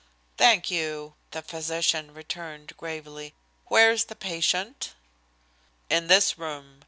"Thank you," the physician returned gravely. "Where is the patient?" "In this room."